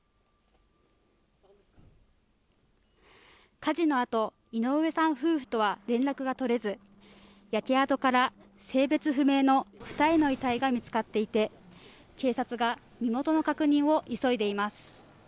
火事の後、井上さん夫婦とは連絡が取れず焼け跡から性別不明の２人の遺体が見つかっていて警察が身元の確認を急いでいます。